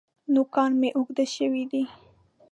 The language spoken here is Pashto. نوکان مي اوږده شوي دي .